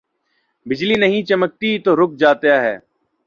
بجلی نہیں چمکتی تو رک جاتا ہے۔